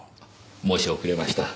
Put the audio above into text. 申し遅れました。